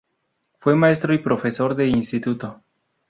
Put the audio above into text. Fue maestro y profesor de instituto.